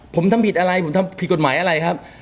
ผมทำผิดอะไรผมทำผิดกฎหมายอะไรครับ